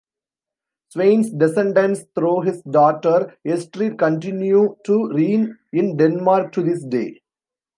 Sweyn's descendants through his daughter Estrid continue to reign in Denmark to this day.